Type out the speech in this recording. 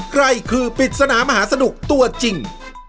ใครคือปริศนามหาสนุกตัวจริง